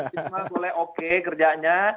sisma boleh oke kerjanya